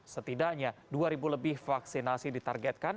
setidaknya dua lebih vaksinasi ditargetkan